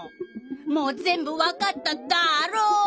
もう全部わかったダロ！